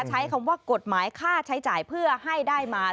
ใช้คำว่ากฎหมายค่าใช้จ่ายเพื่อให้ได้มา